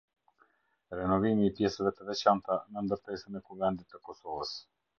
Renovimi i pjesëve të vecanta në ndërtesën e kuvendit të kosovës